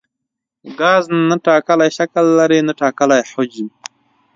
ګاز نه ټاکلی شکل لري نه ټاکلی حجم.